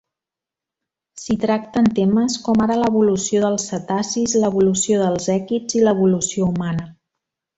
S'hi tracten temes com ara l'evolució dels cetacis, l'evolució dels èquids i l'evolució humana.